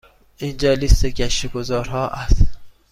اینجا لیست گشت و گذار ها است.